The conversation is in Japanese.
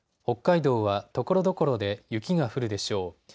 北海道はところどころで雪が降るでしょう。